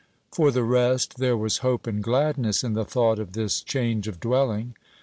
For the rest, there was hope and gladness in the thought of this change of dwelling.